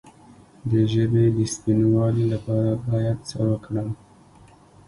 د ژبې د سپینوالي لپاره باید څه وکړم؟